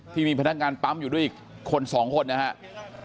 ที่มีพนักงานปั๊มอยู่ด้วยอีกคนสองคนนะครับ